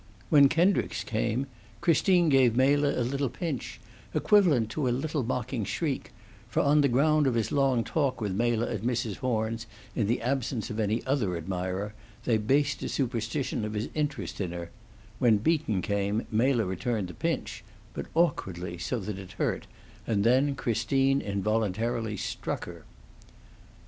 When Kendricks came, Christine gave Mela a little pinch, equivalent to a little mocking shriek; for, on the ground of his long talk with Mela at Mrs. Horn's, in the absence of any other admirer, they based a superstition of his interest in her; when Beaton came, Mela returned the pinch, but awkwardly, so that it hurt, and then Christine involuntarily struck her.